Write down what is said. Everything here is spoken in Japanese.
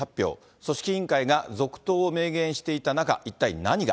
組織委員会が続投を明言していた中、一体何が。